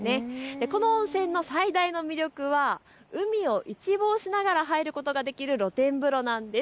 この温泉の最大の魅力は、海を一望しながら入ることができる露天風呂なんです。